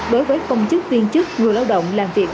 đối với công chức viên chức người lao động làm việc